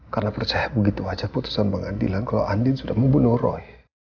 karena percaya begitu saja putusan pengadilan kalau andin sudah membunuh roy